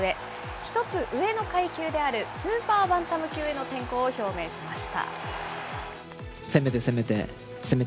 １つ上の階級であるスーパーバンタム級への転向を表明しました。